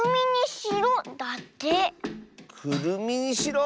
「くるみにしろ」？